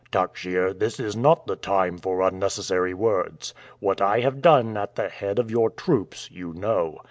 "Takhsir, this is not the time for unnecessary words. What I have done at the head of your troops, you know.